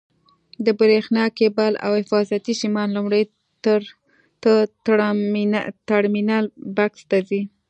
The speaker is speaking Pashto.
د برېښنا کېبل او حفاظتي سیمان لومړی د ټرمینل بکس ته ځي.